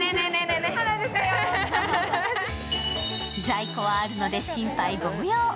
在庫はあるので、心配ご無用。